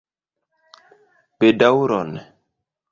Bedaŭron.